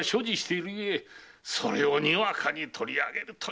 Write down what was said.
それをにわかに取り上げるというわけには。